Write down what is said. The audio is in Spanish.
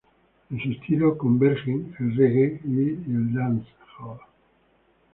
En su estilo convergen el Reggae y el Dancehall.